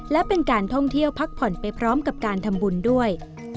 และเป็นการท่องเที่ยวพักผ่อนไปพร้อมกับการทำบุญด้วย